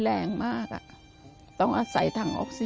ทำงานชื่อนางหยาดฝนภูมิสุขอายุ๕๔ปี